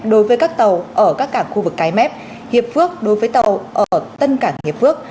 đối với các tàu ở các cảng khu vực cái mép hiệp phước đối với tàu ở tân cảng hiệp phước